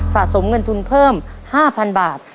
สะสมเงินทุนเพิ่ม๕๐๐๐บาท